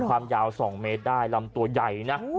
ความยาว๒เมตรได้ลำตัวใหญ่นะ